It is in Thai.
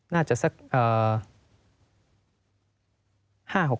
น่าจะสัก